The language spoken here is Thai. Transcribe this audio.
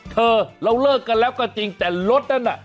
เธอเราเลิกกันแล้วก็จริงแต่รถนั้นน่ะ